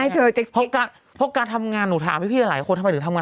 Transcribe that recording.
เพราะการทำงานหนูถามพี่หลายคนทำไมถึงทำงาน